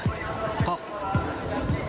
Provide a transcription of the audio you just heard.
あっ。